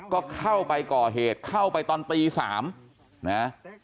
ก็เข้าไปก่อเหตุเข้าไปตอนตี๓นะ